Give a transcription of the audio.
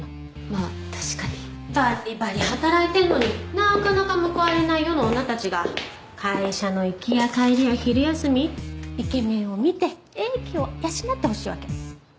まあ確かに。ばっりばり働いてんのになかなか報われない世の女たちが会社の行きや帰りや昼休みイケメンを見て英気を養ってほしいわけ。